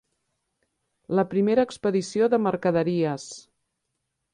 La primera expedició de mercaderies.